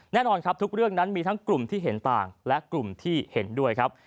แน่นอนครับทุกเรื่องนั้นมีทั้งกลุ่มที่เห็นต่างและกลุ่มที่เห็นด้วยครับ